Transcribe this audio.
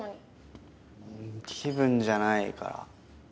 うーん気分じゃないから？